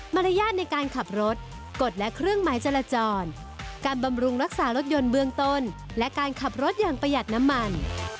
รยาทในการขับรถกดและเครื่องหมายจราจรการบำรุงรักษารถยนต์เบื้องต้นและการขับรถอย่างประหยัดน้ำมัน